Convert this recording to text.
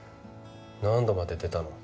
何度まで出たの？